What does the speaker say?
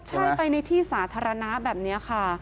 การทาอาวุธไปในที่สาธารณะแบบนี้ค่ะ